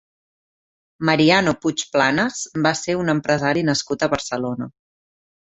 Mariano Puig Planas va ser un empresari nascut a Barcelona.